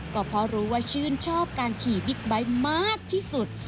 ก็เพราะรู้ว่าชื่นชอบการขี่บิ๊กไบท์มากที่สุด